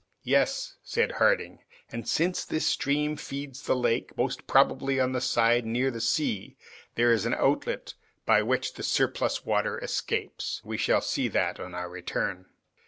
"Yes," said Harding; "and since this stream feeds the lake, most probably on the side near the sea there is an outlet by which the surplus water escapes. We shall see that on our return."